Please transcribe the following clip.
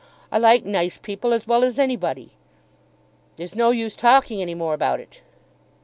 I like nice people as well as anybody." "There's no use talking any more about it."